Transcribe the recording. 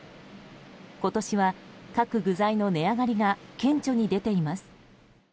今年は各具材の値上がりが顕著に出ています。